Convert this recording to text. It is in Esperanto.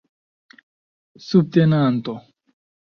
subtenanto